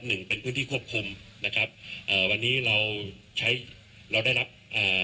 หนึ่งเป็นพื้นที่ควบคุมนะครับเอ่อวันนี้เราใช้เราได้รับอ่า